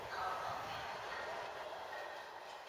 Maisha niya wale wanao kuwa na bidii